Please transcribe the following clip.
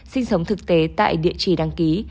sinh sống thực tế tại địa chỉ đăng ký